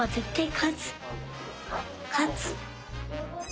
勝つ！